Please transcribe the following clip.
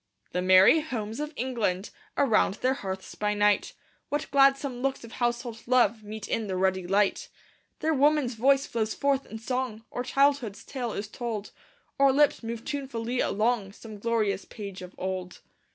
The merry homes of England! Around their hearths by night, What gladsome looks of household love Meet in the ruddy light! There woman's voice flows forth in song, Or childhood's tale is told; Or lips move tunefully along Some glorious page of old.